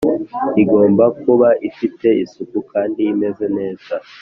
igomba kuba ifite isuku kandi imeze neza